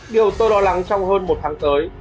điều tôi lo lắng trong hơn một tháng tới